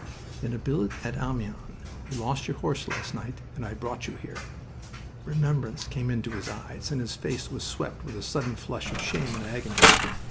"In a billet at Amiens. You lost your horse last night and I brought you here." Remembrance came into his eyes and his face was swept with a sudden flush of shame and agony.